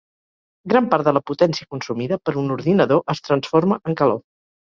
Gran part de la potència consumida per un ordinador es transforma en calor.